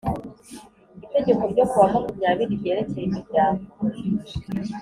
Itegeko ryo kuwa makumyabiri ryerekeye imiryango